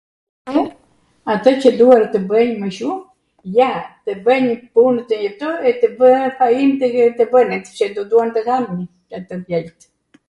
w, atw qw duhet tw bwjn mw shum, ja tw bwjn punwt njwtwr e tw vwn fainw tw bwnet qw tw duan tw hanw tw tjert [???].